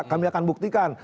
kami akan buktikan